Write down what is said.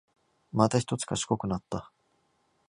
またひとつ賢くなった